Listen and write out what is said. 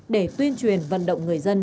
để tuyên truyền vận động người dân